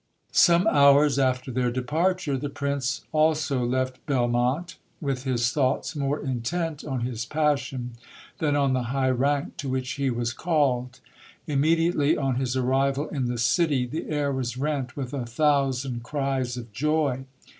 Some hours after their departure, the prince also left Belmonte, with his thoughts more intent on his passion than on the high rank to which he was called. Immediately on his arrival in the city, the air was rent with a thou sand cries of joy.